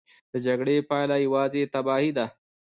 د جګړې پایله یوازې تباهي ده.